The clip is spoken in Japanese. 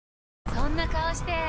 そんな顔して！